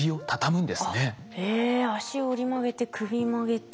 脚折り曲げて首曲げて。